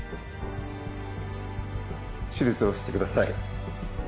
手術をしてください